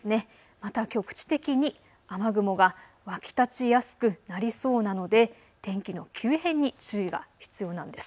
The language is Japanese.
また局地的に雨雲が湧き立ちやすくなりそうなので天気の急変に注意が必要なんです。